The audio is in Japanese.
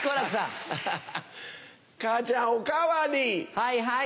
はいはい。